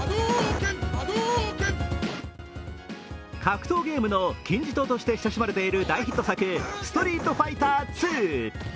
格闘ゲームの金字塔として親しまれている大ヒット作「ストリートファイターⅡ」。